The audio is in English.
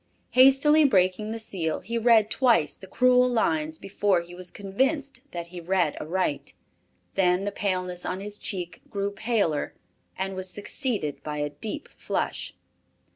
Hastily breaking the seal, he read twice the cruel lines before he was convinced that he read aright; then the paleness on his cheek grew paler, and was succeeded by a deep flush.